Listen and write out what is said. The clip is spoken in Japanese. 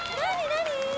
何？